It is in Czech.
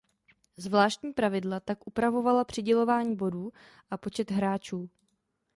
Zvláštní pravidla tak upravovala přidělování bodů a počet hráčů.